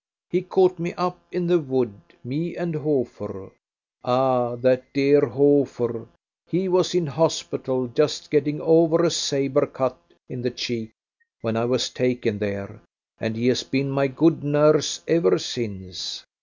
He caught me up in the wood, me and Hofer. Ah! that dear Hofer, he was in hospital, just getting over a sabre cut in the cheek when I was taken there, and he has been my good nurse ever since."